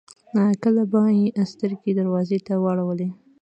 کله به يې سترګې دروازې ته واړولې.